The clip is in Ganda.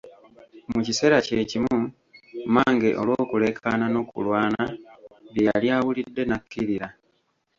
Mu kiseera kye kimu mmange olw'okuleekaana n'okulwana bye yali awulidde n'akkirira.